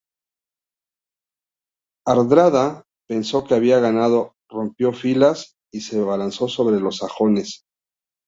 Hardrada pensó que había ganado, rompió filas y se abalanzó sobre los sajones.